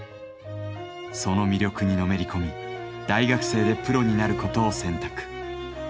その魅力にのめり込み大学生でプロになることを「選択」。